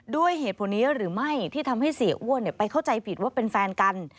ด้วยเหตุผลนี้หรือไม่ที่ทำให้เสียอ้วนไปเข้าใจผิดว่าเป็นแฟนกัน